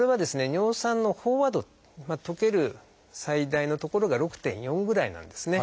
尿酸の飽和度溶ける最大のところが６．４ぐらいなんですね。